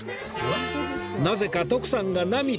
なぜか徳さんが涙！